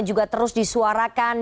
juga terus disuarakan